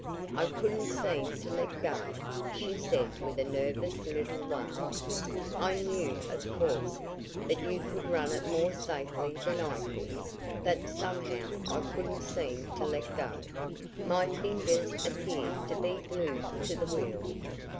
"I couldn't seem to let go," she said with a nervous little laugh. "I knew, of course, that you could run it more safely than I could, but somehow I couldn't seem to let go. My fingers appeared to be glued to the wheel."